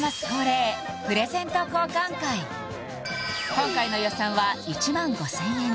今回の予算は１５０００円